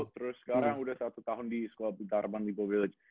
terus sekarang sudah satu tahun di sekolah putar bandico village